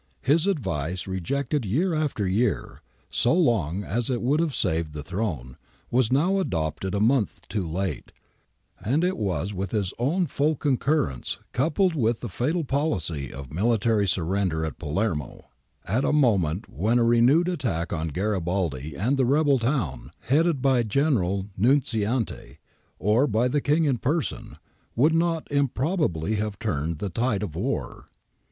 ^ His advice, rejected year after year so long as it would have saved the throne, was now adopted a month too late, and was with his own full concurrence coupled with the fatal policy of military surrender at Palermo, at a moment when a renewed attack on Gari baldi and the rebel town, headed by General Nunziante or by the King in person, would not improbably have turned the tide of war.